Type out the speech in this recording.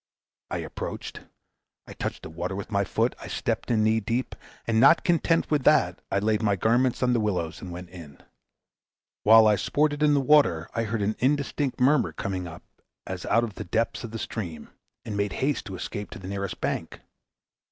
I approached, I touched the water with my foot. I stepped in knee deep, and not content with that, I laid my garments on the willows and went in. While I sported in the water, I heard an indistinct murmur coming up as out of the depths of the stream: and made haste to escape to the nearest bank.